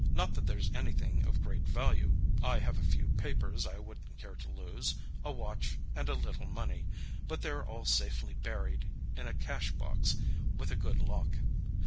Not that there's anything of great value. I have a few papers I wouldn't care to lose, a watch and a little money—but they're all safely buried in a cashbox with a good lock.